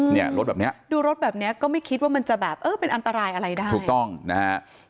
นี่รถแบบนี้ดูรถแบบนี้ก็ไม่คิดว่ามันจะแบบเป็นอันตรายอะไรได้